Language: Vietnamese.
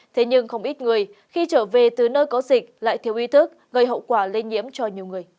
thế nhưng không ít người khi trở về từ nơi có dịch lại thiếu ý thức gây hậu quả lây nhiễm cho nhiều người